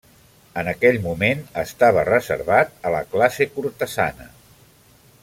En aquell moment estava reservat a la classe cortesana.